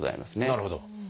なるほど。